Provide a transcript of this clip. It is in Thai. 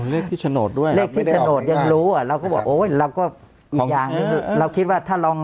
อ๋อเลขที่โฉนดด้วยเลขที่โฉนดยังรู้อ่ะเราก็บอกโอ้ยเราก็อีกอย่าง